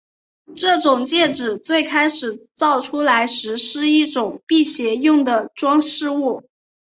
这种戒指最开始造出来时是一种辟邪用的装饰物。